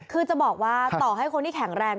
คือจะบอกว่าต่อให้คนที่แข็งแรง